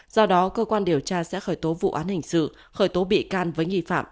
do đó cơ quan điều tra sẽ khởi tố vụ án hình sự khởi tố bị can với nghi phạm